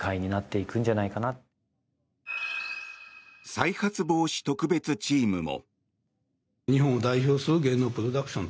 再発防止特別チームも。